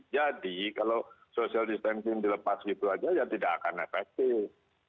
jadi kalau social distancing dilepas gitu aja ya tidak akan efektif